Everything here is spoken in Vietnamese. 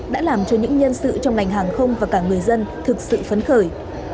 đã làm cho những nhân sự trong ngành hàng không và cả người dân thực sự phấn khởi